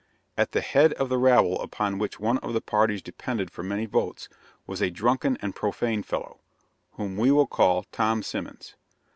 At the head of the rabble upon which one of the parties depended for many votes, was a drunken and profane fellow, whom we will call Tom Simmons.